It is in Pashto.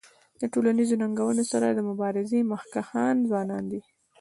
د ټولنیزو ننګونو سره د مبارزې مخکښان ځوانان دي.